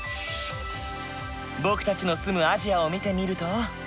僕たちの住むアジアを見てみると。